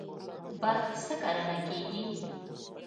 باغ کې څه کرنه کیږي؟